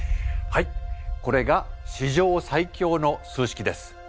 はいこれが史上最強の数式です。